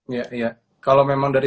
iya iya kalau memang dari